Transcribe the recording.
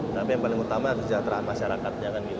tapi yang paling utama kesejahteraan masyarakatnya